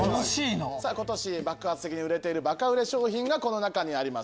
今年爆発的に売れてるバカ売れ商品この中にあります。